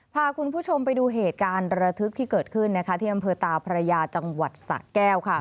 พาคุณผู้ชมไปดูเหตุการณ์ระทึกที่เกิดขึ้นนะคะที่อำเภอตาพระยาจังหวัดสะแก้วค่ะ